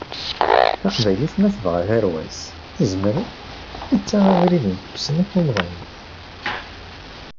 Taqbaylit, ma tebɣa tarwa-s, tezmer ad taɣ abrid n tussna tumḍint.